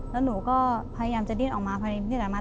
แล้วหนูก็พยายามจะดื่นออกมาพยายามจะดื่นออกมา